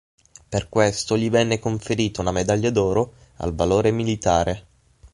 Per questo gli venne conferita una medaglia d'oro al valore militare.